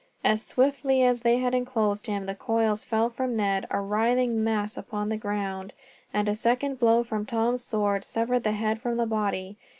As swiftly as they had enclosed him the coils fell from Ned, a writhing mass upon the ground; and a second blow from Tom's sword severed the head from the body.